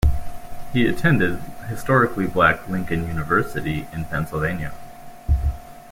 He attended historically black Lincoln University in Pennsylvania.